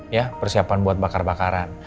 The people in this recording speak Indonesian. ya persiapan buat bakar bakaran